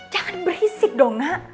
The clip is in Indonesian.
jangan berisik dong